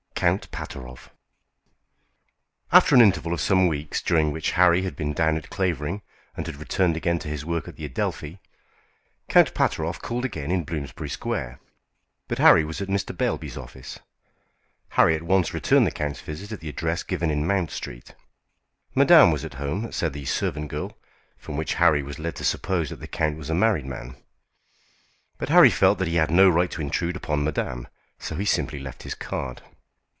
COUNT PATEROFF AND HIS SISTER. After an interval of some weeks, during which Harry had been down at Clavering and had returned again to his work at the Adelphi, Count Pateroff called again in Bloomsbury Square; but Harry was at Mr. Beilby's office. Harry at once returned the count's visit at the address given in Mount Street. Madame was at home, said the servant girl, from which Harry was led to suppose that the count was a married man; but Harry felt that he had no right to intrude upon madame, so he simply left his card.